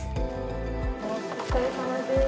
お疲れさまです。